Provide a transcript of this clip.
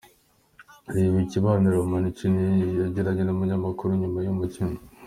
Reba ikibaniro Mancini yagiranye n'umunyamkuru nyuma y'uyu mukino:.